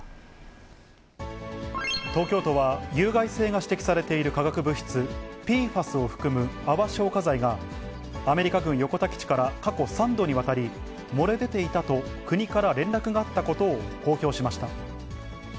東京都は、有害性が指摘されている化学物質、ＰＦＡＳを含む泡消火剤が、アメリカ軍横田基地から過去３度にわたり、漏れ出ていたと国から連絡があったことを公表しました。